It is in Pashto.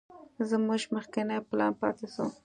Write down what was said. زموږ مخکينى پلان پاته سو.